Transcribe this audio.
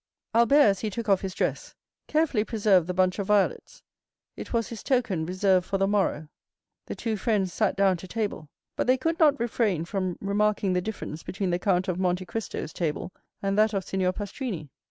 Albert, as he took off his dress, carefully preserved the bunch of violets; it was his token reserved for the morrow. The two friends sat down to table; but they could not refrain from remarking the difference between the Count of Monte Cristo's table and that of Signor Pastrini.